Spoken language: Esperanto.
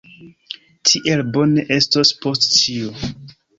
Tiel bone estos post ĉio.